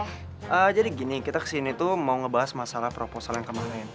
oh jadi gini kita kesini tuh mau ngebahas masalah proposal yang kemarin